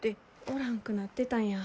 おらんくなってたんや。